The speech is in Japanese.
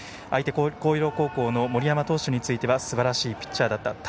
相手、広陵高校の森山投手についてはすばらしいピッチャーだった。